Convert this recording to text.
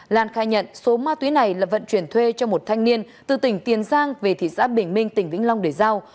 lan khai nhận số ma túy này là vận chuyển thuê cho một thanh niên từ tỉnh tiền giang về thị xã bình minh tỉnh vĩnh long để giao